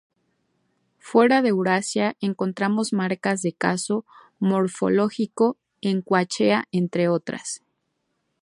Fuera de Eurasia encontramos marcas de caso morfológico en quechua entre otras.